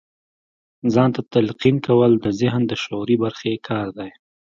ځان ته تلقين کول د ذهن د شعوري برخې کار دی.